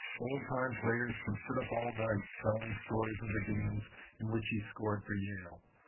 Old time players can sit up all night telling stories of the games in which he scored for Yale.